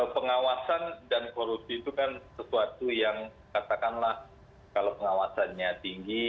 pengawasan dan korupsi itu kan sesuatu yang katakanlah kalau pengawasannya tinggi